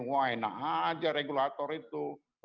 wah enak aja regulator itu